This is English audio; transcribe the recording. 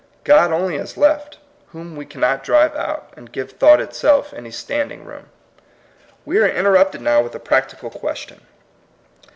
God only is left, whom we cannot drive out, and give thought itself any standing room. We are interrupted now with a practical question.